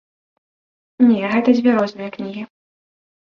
Не, гэта дзве розныя кнігі.